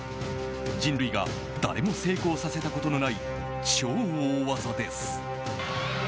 人類が誰も成功させたことのない超大技です。